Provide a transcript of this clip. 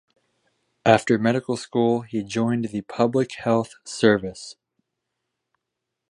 After medical school he joined the Public Health Service.